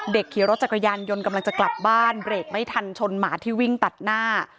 ขี่รถจักรยานยนต์กำลังจะกลับบ้านเบรกไม่ทันชนหมาที่วิ่งตัดหน้า